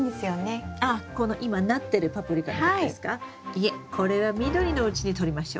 いえこれは緑のうちにとりましょう。